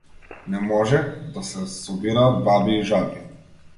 Не може да се собираат баби и жаби.